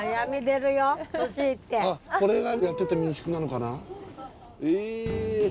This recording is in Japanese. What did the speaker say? これがやってた民宿なのかな？